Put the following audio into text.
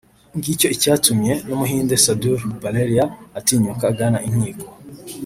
ngicyo icyatumye n’umuhinde Sudhir Ruparelia atinyuka agana inkiko